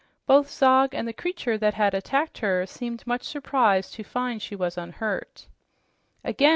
Both Zog and the creature that had attacked her seemed much surprised to find she was unhurt. "Again!"